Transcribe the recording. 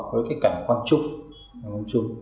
với cái cảnh quan trúc